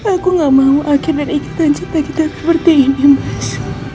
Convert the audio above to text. aku gak mau akhir dan ikatan cinta kita seperti ini mas